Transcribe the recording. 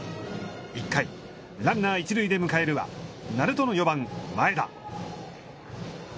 １回、ランナー一塁で迎えるは鳴門の４番前田。